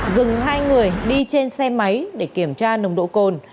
dừng hai người đi trên xe máy để kiểm tra nồng độ cồn